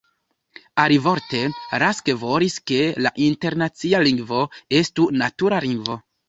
Alivorte, Rask volis ke la internacia lingvo estu natura lingvo.